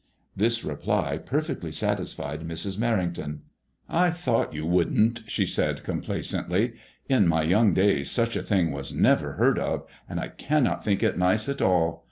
This reply perfectly satisfied Mrs. Merrington. ''I thought you wouldn't," she said, com placently. ''In my young days such a thing was never heard of, and I cannot think it nice at all.